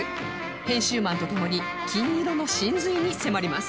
編集マンとともに金色の神髄に迫ります